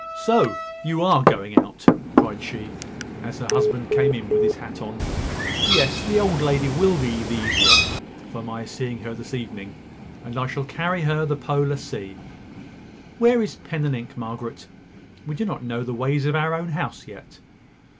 So, you are going out?" cried she, as her husband came in with his hat on. "Yes; the old lady will be the easier for my seeing her this evening; and I shall carry her the Polar Sea. Where is pen and ink, Margaret? We do not know the ways of our own house yet."